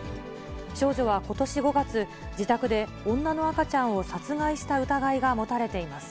少女はことし５月、自宅で女の赤ちゃんを殺害した疑いが持たれています。